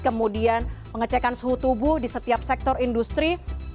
kemudian pengecekan suhu tubuh di setiap sektor industri